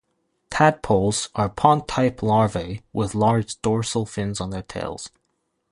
Tadpoles are pond type larvae with large dorsal fins on their tails.